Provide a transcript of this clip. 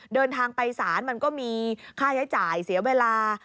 เดินทางไปศาลมันก็มีค่าใช้จ่ายเสียเวลา